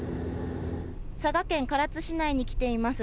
佐賀県唐津市内に来ています。